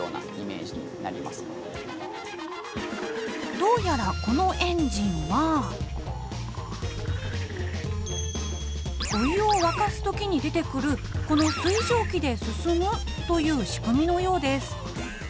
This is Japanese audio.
どうやらこのエンジンはお湯を沸かすときに出てくるこの水蒸気で進むという仕組みのようです。